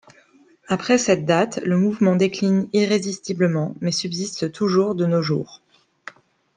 Après cette date, le mouvement décline irrésistiblement, mais subsiste toujours de nos jours.